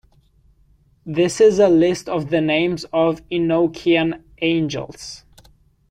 This is a list of the names of Enochian angels.